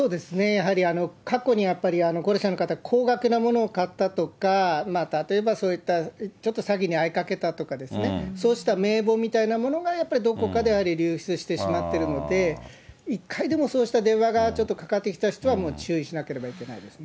やはり過去にやっぱり、高齢者の方、高額なものを買ったとか、例えばそういった、ちょっと詐欺に遭いかけたとかですね、そうした名簿みたいなものが、やっぱりどこかでやはり流出してしまっているので、１回でもそうした電話がちょっとかかってきた人は、もう注意しなければいけないですね。